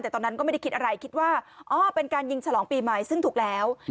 แต่ตอนนั้นก็ไม่ได้คิดอะไรคิดว่าอ๋อเป็นการยิงฉลองปีใหม่ซึ่งถูกแล้ว